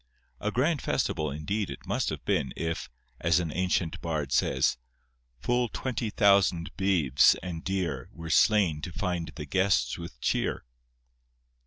A grand festival indeed it must have been, if, as an ancient bard says, 'Full twenty thousand beeves and deer Were slain to find the guests with cheer.